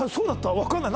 わかんない。